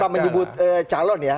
tanpa menyebut calon ya